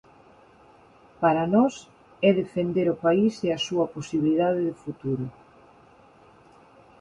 Para nós, é defender o país e a súa posibilidade de futuro.